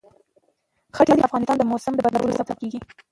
ښتې د افغانستان د موسم د بدلون سبب کېږي.